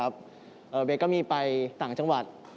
เบย์ก็มีไปต่างจังหวัด